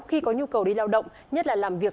khi có nhu cầu đi lao động nhất là làm việc